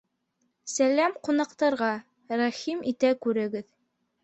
- Сәләм ҡунаҡтарға, рәхим итә күрегеҙ